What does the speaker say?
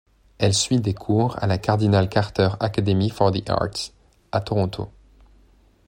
Elle suit des cours à la Cardinal Carter Academy for the Arts, à Toronto.